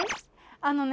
あのね。